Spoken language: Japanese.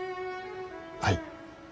はい。